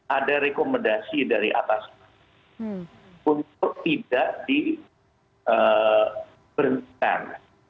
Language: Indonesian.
ada rekomendasi dari atas untuk tidak diberhentikan